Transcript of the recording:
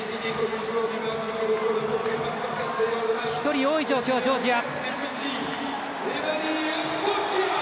１人多い状況、ジョージア。